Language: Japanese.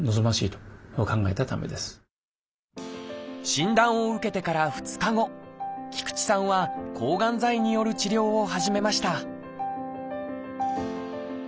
診断を受けてから２日後菊池さんは抗がん剤による治療を始めました